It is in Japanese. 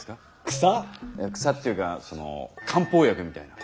草っていうかその漢方薬みたいな。